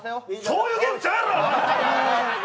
そういうゲームちゃうやろ！